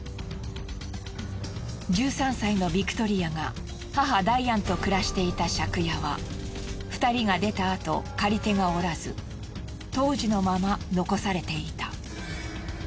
１３歳のビクトリアが母ダイアンと暮らしていた借家は２人が出たあと借り手がおらず当時のまま残されていた。